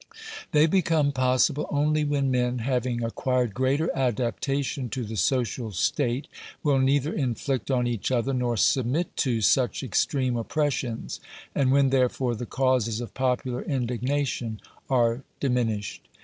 They become possible only when men, having acquired greater adaptation to the social state, will neither inflict on each other, nor submit to, such extreme oppressions, and when, therefore, the causes of popular indignation are diminished.